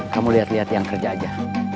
kamu lihat lihat yang kerja aja